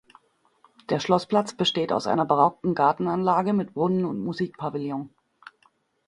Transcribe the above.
Der Schloßplatz besteht aus einer barocken Gartenanlage mit Brunnen und Musik-Pavillon.